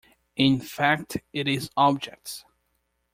In fact it is objects.